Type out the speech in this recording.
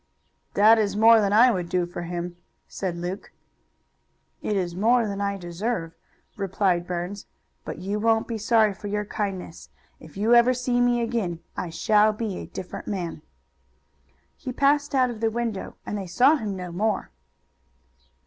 "That is more than I would do for him," said Luke. "It is more than I deserve," replied Burns, "but you won't be sorry for your kindness. If ever you see me again, I shall be a different man." He passed out of the window, and they saw him no more.